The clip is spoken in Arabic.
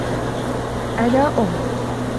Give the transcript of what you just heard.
أنا أمّ.